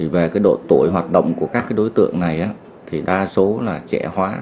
về độ tuổi hoạt động của các đối tượng này thì đa số là trẻ hóa